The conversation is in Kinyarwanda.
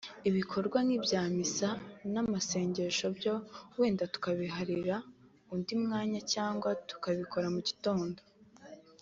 ibikorwa nk’ibya misa n’amasengesho byo wenda tukabiharira undi mwanya cyangwa tukabikora mu gitondo